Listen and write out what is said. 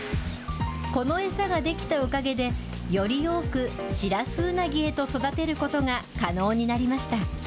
この餌が出来たおかげで、より多く、シラスウナギへと育てることが可能になりました。